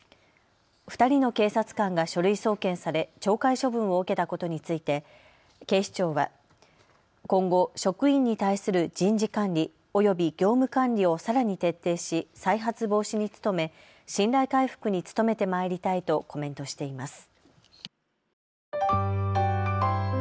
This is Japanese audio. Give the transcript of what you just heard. ２人の警察官が書類送検され懲戒処分を受けたことについて警視庁は今後、職員に対する人事管理および業務管理をさらに徹底し再発防止に努め信頼回復に努めてまいりたいとコメントしています。